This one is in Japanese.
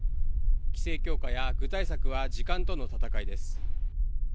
規制強化や具体策は時間との戦いです。